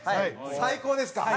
最高です。